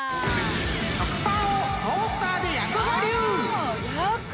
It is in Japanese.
［食パンをトースターで焼く我流！］